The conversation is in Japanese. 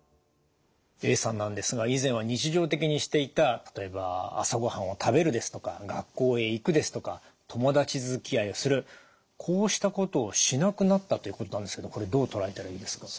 Ａさんなんですが以前は日常的にしていた例えば朝ごはんを食べるですとか学校へ行くですとか友達づきあいをするこうしたことをしなくなったということなんですけどこれどう捉えたらいいですか？